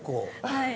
はい。